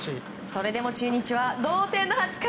それでも中日は同点の８回。